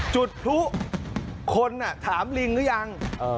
จุดพลุคนถามลิงหรือยัง